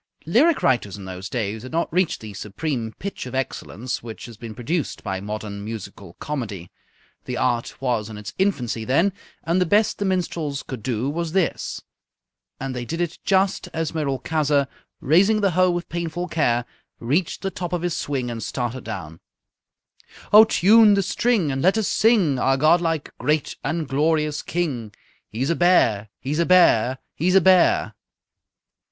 Lyric writers in those days had not reached the supreme pitch of excellence which has been produced by modern musical comedy. The art was in its infancy then, and the best the minstrels could do was this and they did it just as Merolchazzar, raising the hoe with painful care, reached the top of his swing and started down: _"Oh, tune the string and let us sing Our godlike, great, and glorious King! He's a bear! He's a bear! He's a bear!"